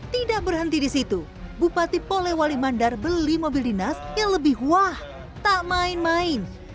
tidak berhenti di situ bupati polewali mandar beli mobil dinas yang lebih wah tak main main